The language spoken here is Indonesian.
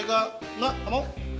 enggak enggak mau